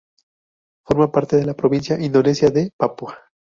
Forman parte de la provincia indonesia de Papúa.